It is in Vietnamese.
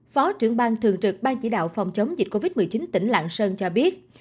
phó trưởng ban thường trực ban chỉ đạo phòng chống dịch covid một mươi chín tỉnh lạng sơn cho biết